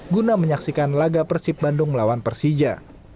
guna menyaksikan laga persib bandung melawan persija